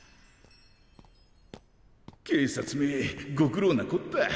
警察めご苦労なこった。